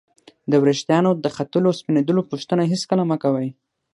د ورېښتانو د ختلو او سپینېدلو پوښتنه هېڅکله مه کوئ!